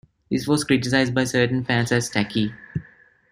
This was criticised by certain fans as 'tacky'.